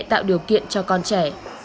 tạo điều kiện cho con trẻ